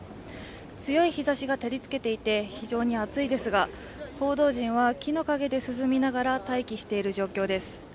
強い日ざしが照りつけていて、非常に暑いですが、報道陣は木の陰で涼みながら待機している状況です。